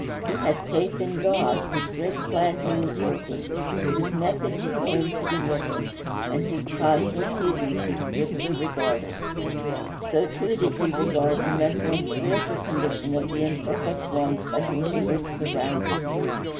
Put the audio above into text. He had faith in God, whose great plan he was working, whose message he came to deliver, and whose times and seasons he strictly regarded. So, too, did he regard the mental and spiritual condition of the imperfect ones by whom he was surrounded.